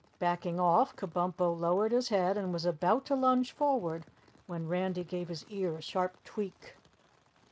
Backing off, Kabumpo lowered his head and was about to lunge forward when Randy gave his ear a sharp tweak.